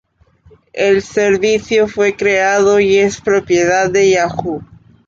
El servicio fue creado y es propiedad de Yahoo!.